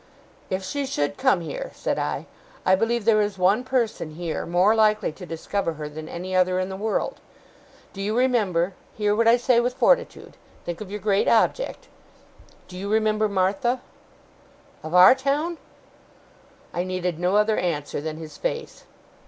'If she should come here,' said I, 'I believe there is one person, here, more likely to discover her than any other in the world. Do you remember hear what I say, with fortitude think of your great object! do you remember Martha?' 'Of our town?' I needed no other answer than his face.